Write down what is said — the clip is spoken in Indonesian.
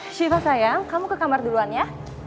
shiva sayang kamu ke kamar duluan ya